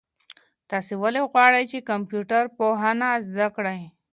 تاسو ولې غواړئ چي کمپيوټر پوهنه زده کړئ؟